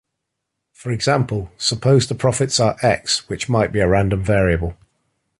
For example, suppose the profits are x, which might be a random variable.